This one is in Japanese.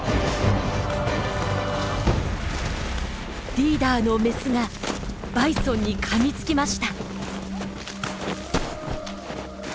リーダーのメスがバイソンにかみつきました。